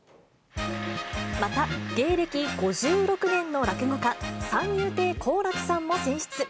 また、芸歴５６年の落語家、三遊亭好楽さんも選出。